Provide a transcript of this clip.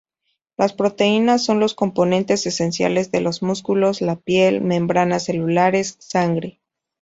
Las proteínas son los componentes esenciales de los músculos, la piel, membrana celulares, sangre.